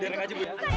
ya udah kita bisa